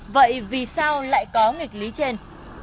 vậy vì sao lại có nghịch lý trên